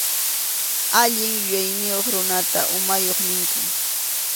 Allin yuyayniyuq runata umayuq ninkum.